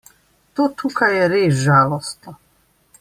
To tukaj je res žalostno.